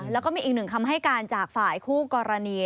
แล้วก็มีอีกหนึ่งคำให้การจากฝ่ายคู่กรณี